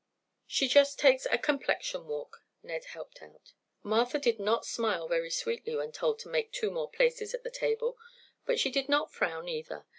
"She just takes a complexion walk," Ned helped out. Martha did not smile very sweetly when told to make two more places at the table, but she did not frown either.